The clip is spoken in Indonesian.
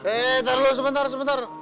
eh taruh sebentar sebentar